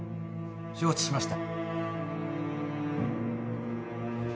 承知しました。